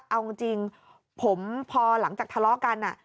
เอาจริงผมพอหลังจากทะเลาะกัน